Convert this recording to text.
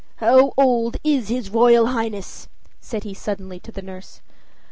"How old is his Royal Highness?" said he suddenly to the nurse.